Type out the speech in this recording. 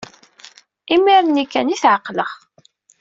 Imir-nni kan ay t-ɛeqleɣ.